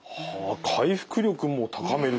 回復力も高める